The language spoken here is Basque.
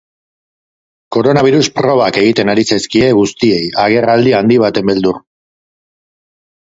Koronabirus probak egiten ari zaizkie guztiei, agerraldi handi baten beldur.